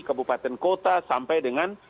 kebupatan kota sampai dengan